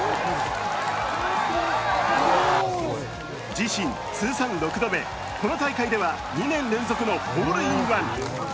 自身通算６度目この大会では２年連続のホールインワン。